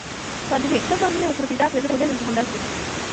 پادري: ته به مینه ورسره پیدا کړې، زه پوهېږم چې همداسې به کېږي.